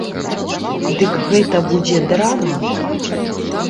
Дык гэта будзе драма?